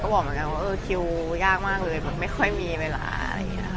ก็เลยได้มีโอกาสอยู่กับลูกมากขึ้นอะไรอย่างนี้มั้ยค่ะ